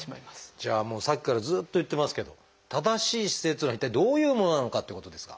じゃあもうさっきからずっと言ってますけど正しい姿勢っていうのは一体どういうものなのかってことですが。